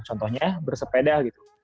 contohnya bersepeda gitu